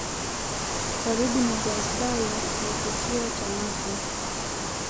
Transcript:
Karibu na Zanzibar ni kisiwa cha Mafia